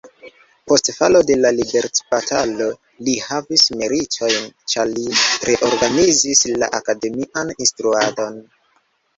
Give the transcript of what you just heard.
Post falo de la liberecbatalo li havis meritojn, ĉar li reorganizis la akademian instruadon.